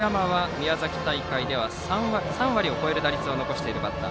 このあと７番の丸山は宮崎大会では３割を超える打率を残しているバッター。